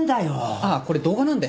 あっこれ動画なんで。